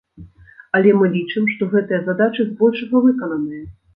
Але мы лічым, што гэтыя задачы збольшага выкананыя.